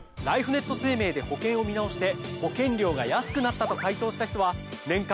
ライフネット生命で保険を見直して保険料が安くなったと回答した人は。